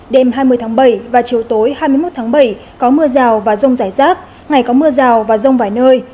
đêm hai mươi tháng bảy và chiều tối hai mươi một tháng bảy có mưa rào và rông rải rác ngày có mưa rào và rông vài nơi